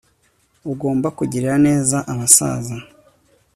Ugomba kugirira neza abasaza